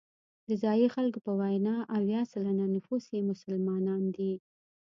د ځایي خلکو په وینا اویا سلنه نفوس یې مسلمانان دي.